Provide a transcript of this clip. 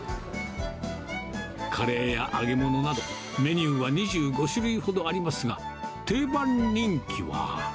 カレーや揚げ物など、メニューは２５種類ほどありますが、定番人気は。